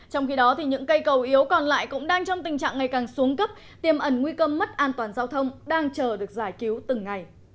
trong khi đó những cây cầu yếu còn lại cũng đang trong tình trạng ngày càng xuống cấp tiềm ẩn nguy cơ mất an toàn giao thông đang chờ được giải cứu từng ngày